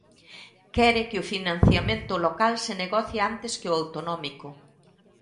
Quere que o financiamento local se negocie antes que o autonómico.